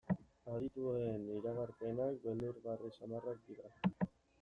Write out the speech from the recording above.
Adituen iragarpenak beldurgarri samarrak dira.